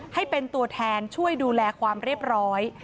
ให้เป็นตัวแทนช่วยดูแลความเรียบร้อย